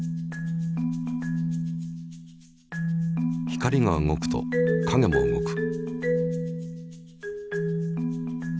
光が動くと影も動く。